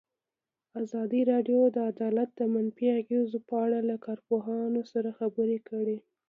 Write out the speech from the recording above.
ازادي راډیو د عدالت د منفي اغېزو په اړه له کارپوهانو سره خبرې کړي.